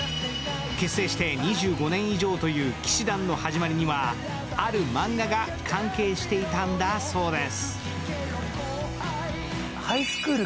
結成して２５年以上という氣志團の始まりにはあるマンガが関係していたんだそうです。